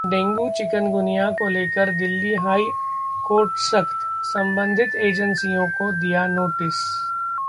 dengue, chikungunya को लेकर Delhi high court सख्त, संबंधित एजेंसियों को दिया नोटिस